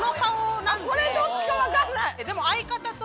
これどっちか分かんない。